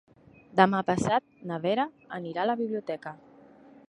Demà passat na Vera anirà a la biblioteca.